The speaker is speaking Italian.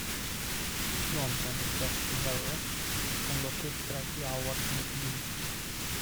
Johnson e Fats Navarro e con l'orchestra di Howard McGhee.